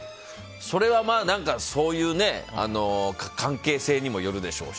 それはそういう関係性にもよるでしょうし。